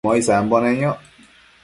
muesambo neyoc